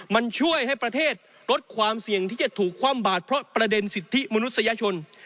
มันช่วยให้ประเทศลดความเสี่ยงที่จะถูกคว่ำบาดเพราะประเด็นสิทธิมนุษยชน